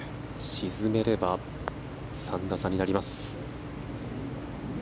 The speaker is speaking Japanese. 沈めれば３打差になります。